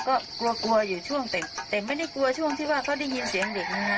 ก็กลัวอยู่ช่วงเต็มแต่ไม่ได้กลัวช่วงที่ว่าเขาได้ยินเสียงเหล็กนึงนะ